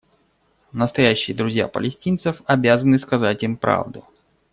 Настоящие друзья палестинцев обязаны сказать им правду.